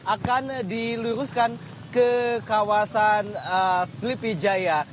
akan diluruskan ke kawasan slip hijaya